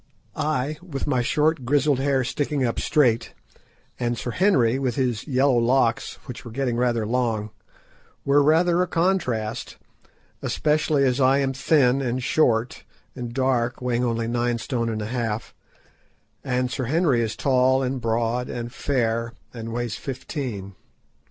I, with my short grizzled hair sticking up straight, and Sir Henry with his yellow locks, which were getting rather long, were rather a contrast, especially as I am thin, and short, and dark, weighing only nine stone and a half, and Sir Henry is tall, and broad, and fair, and weighs fifteen.